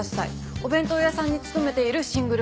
お弁当屋さんに勤めているシングルマザーです。